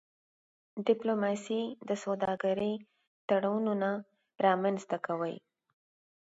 ډيپلوماسي د سوداګرۍ تړونونه رامنځته کوي.